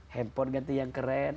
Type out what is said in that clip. handphone ganti yang keren